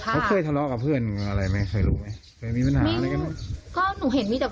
เขาเคยทะเลาะกับเพื่อนอะไรมีปัญหาอะไรกันก็หนูเห็นมีแต่